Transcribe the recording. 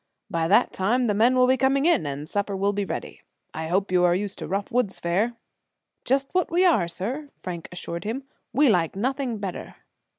By that time the men will be coming in, and supper will be ready. I hope you are used to rough woods fare." "Just what we are, sir," Frank assured him. "We like nothing better."